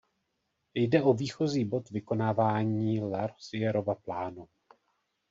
Jde o výchozí bod vykonávání Larosièrova plánu.